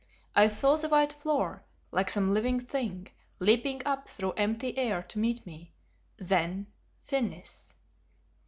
I saw the white floor, like some living thing, leaping up through empty air to meet me, then _finis!